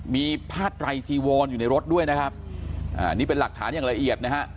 มีผ้าไตรจีวรอยู่ในรถด้วยนะครับอ่านี่เป็นหลักฐานอย่างละเอียดนะฮะ